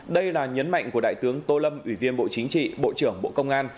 đây là nhấn mạnh của đại tướng tô lâm ủy viên bộ chính trị bộ trưởng bộ công an